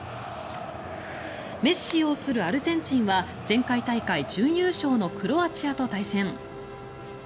メッシ擁するアルゼンチンは前回大会準優勝のクロアチアと対戦。